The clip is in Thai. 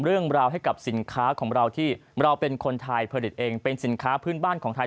เราเป็นคนไทยผลิตเองเป็นสินค้าพื้นบ้านของไทย